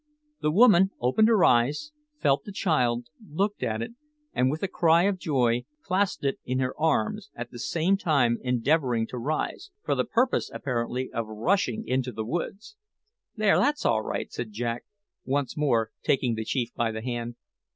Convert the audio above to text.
The woman opened her eyes, felt the child, looked at it, and with a cry of joy, clasped it in her arms, at the same time endeavouring to rise for the purpose, apparently, of rushing into the woods. "There, that's all right," said Jack, once more taking the chief by the hand.